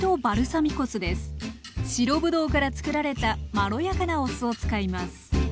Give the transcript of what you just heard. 白ぶどうからつくられたまろやかなお酢を使います。